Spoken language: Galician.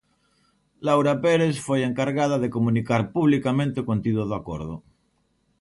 Laura Pérez foi a encargada de comunicar publicamente o contido do acordo.